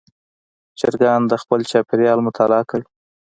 چرګان د خپل چاپېریال مطالعه کوي.